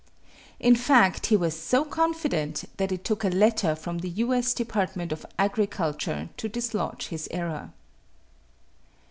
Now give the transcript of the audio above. In fact, he was so confident that it took a letter from the U.S. Department of Agriculture to dislodge his error.